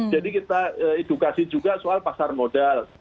jadi kita edukasi juga soal pasar modal